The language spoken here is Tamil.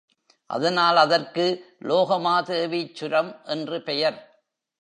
அதனால் அதற்கு லோகமாதேவீச்சுரம் என்று பெயர்.